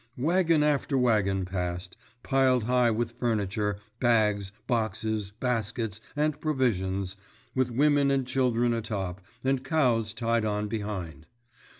Wagon after wagon passed, piled high with furniture, bags, boxes, baskets, and provisions, with women and children atop, and cows tied on behind.